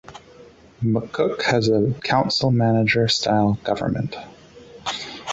McCook has a council-manager style government.